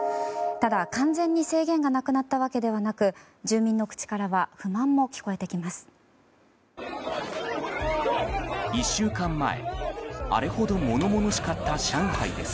ただ、完全に制限がなくなったわけではなく住民の口からは不満も聞こえてきます。